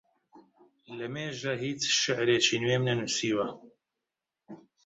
لەمێژە هیچ شیعرێکی نوێم نەنووسیوە.